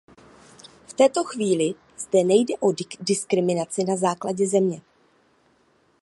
V této chvíli zde nejde o diskriminaci na základě země.